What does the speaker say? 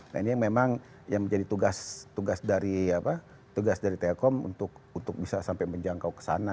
nah ini memang yang menjadi tugas dari telkom untuk bisa sampai menjangkau ke sana